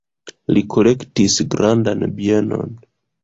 Li kolektis grandan bienon.